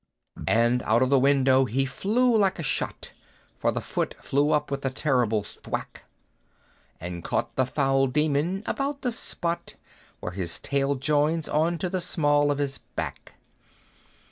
And out of the window he flew like a shot, For the foot flew up with a terrible thwack, And caught the foul demon about the spot Where his tail joins on to the small of his back.